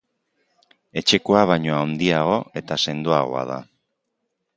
Etxekoa baino handiago eta sendoagoa da.